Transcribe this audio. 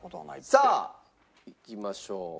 さあいきましょう。